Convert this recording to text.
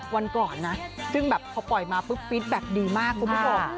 วันก่อนนะซึ่งแบบพอปล่อยมาปุ๊บฟิตแบ็คดีมากคุณผู้ชม